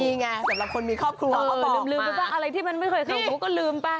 ดีไงสำหรับคนมีครอบครัวก็บอกมาเออลืมไปบ้างอะไรที่มันไม่เคยขอบคุก็ลืมไป